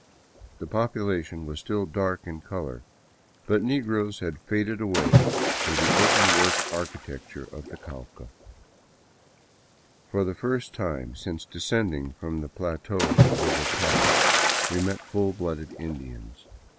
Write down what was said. The population was still dark in color, but negroes had faded away with the open work architecture of the Cauca. For the first time since descending from the plateau of Bogota we met 86 DOWN THE ANDES TO QUITO full blooded Indians.